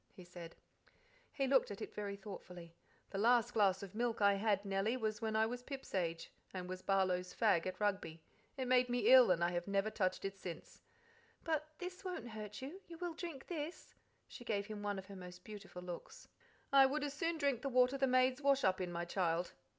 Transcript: he said. He looked at it very thoughtfully. "The last glass of milk I had, Nellie, was when I was Pip's age, and was Barlow's fag at Rugby. It made me ill, and I have never touched it since." "But this won't hurt you. You will drink this?" She gave him one of her most beautiful looks. "I would as soon drink the water the maids wash up in, my child."